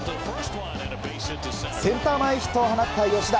センター前ヒットを放った吉田。